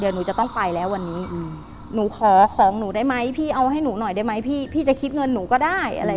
หนูขอของหนูได้ไหมพี่เอาให้หนูหน่อยได้ไหมพี่จะคิดเงินหนูก็ได้